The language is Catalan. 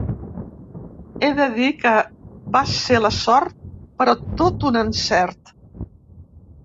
He de dir que va ser la sort però tot un encert.